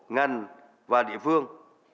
ngành và địa phương